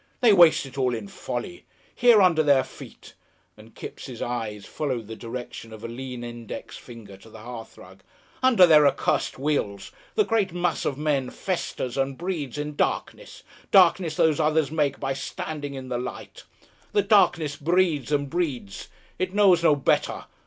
They waste it all in folly! Here under their feet (and Kipps' eyes followed the direction of a lean index finger to the hearthrug) under their accursed wheels, the great mass of men festers and breeds in darkness, darkness those others make by standing in the light. The darkness breeds and breeds. It knows no better....